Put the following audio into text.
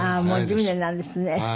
もう１０年なんですね。